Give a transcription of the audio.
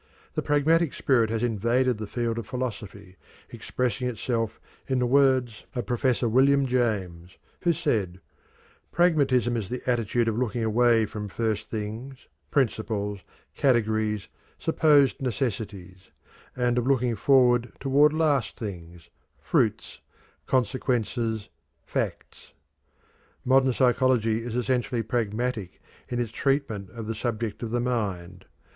The pragmatic spirit has invaded the field of philosophy, expressing itself in the words of Prof. William James, who said: "Pragmatism is the attitude of looking away from first things, principles, categories, supposed necessities; and of looking forward toward last things, fruits, consequences, facts." Modern psychology is essentially pragmatic in its treatment of the subject of the mind.